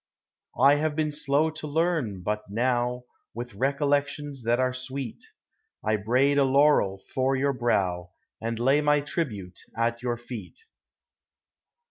I have been slow to learn, but now, With recollections ■ that are sweet, I braid a laurel for your brow And lay my tribute at your eet.